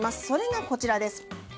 それが、こちらです。